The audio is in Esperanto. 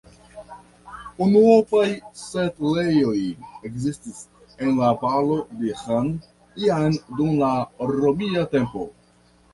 Unuopaj setlejoj ekzistis en la valo de Ahr jam dum la romia tempo.